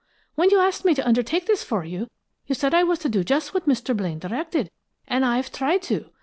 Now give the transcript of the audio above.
When you asked me to undertake this for you, you said I was to do just what Mr. Blaine directed, and I've tried to.